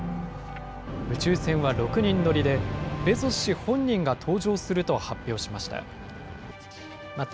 宇宙船は６人乗りで、ベゾス氏本人が搭乗すると発表しました。